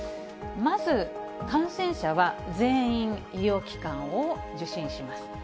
まず、感染者は全員医療機関を受診します。